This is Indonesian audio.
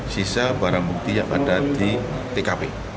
sisa barang bukti yang ada di tkp